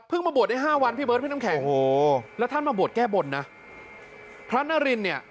ประมาณนั้นพระนารินเนี่ย